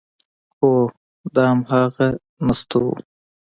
هو، دا همغه نستوه و…